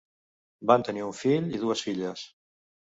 Van tenir un fill i dues filles.